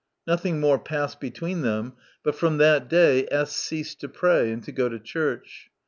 " Nothing more passed between them, but from that day S ceased to pray and to go to church.